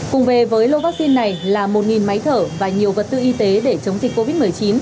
cùng về với lô vaccine này là một máy thở và nhiều vật tư y tế để chống dịch covid một mươi chín